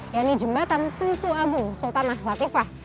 yang di jembatan tunku abu sultanah latifah